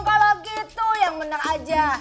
kalau gitu yang menang aja